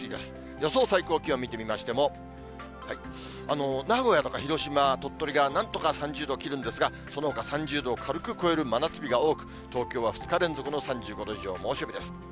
予想最高気温、見てみましても、名古屋とか広島、鳥取がなんとか３０度を切るんですが、そのほか３０度を軽く超える真夏日が多く、東京は２日連続の３５度以上、猛暑日です。